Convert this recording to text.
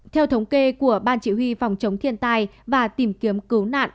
theo thống kê của ban chỉ huy phòng chống thiên tai và tìm kiếm cứu nạn